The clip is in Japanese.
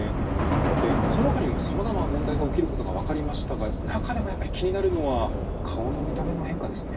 でそのほかにもさまざまな問題が起きることが分かりましたが中でもやっぱり気になるのは顔の見た目の変化ですね。